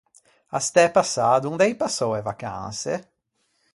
A stæ passâ dond’ei passou e vacanse?